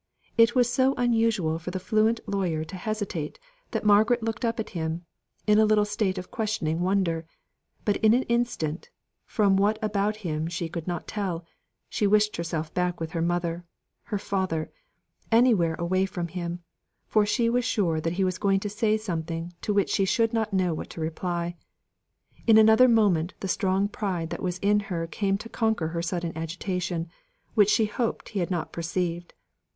It was so unusual for the fluent lawyer to hesitate that Margaret looked up at him, in a little state of questioning wonder; but in an instant from what about him she could not tell she wished herself back with her mother her father anywhere away from him, for she was sure he was going to say something to which she should not know what to reply. In another moment the strong pride that was in her came to conquer her sudden agitation, which she hoped he had not perceived.